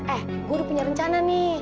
eh gue udah punya rencana nih